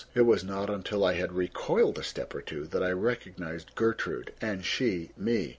It was not until I had recoiled a step or two that I recognized Gertrude, and she me.